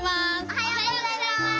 おはようございます！